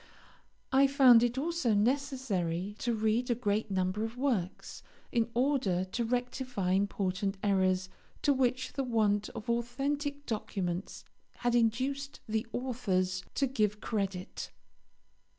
I found it also necessary to read a great number of works, in order to rectify important errors to which the want of authentic documents had induced the authors to give credit.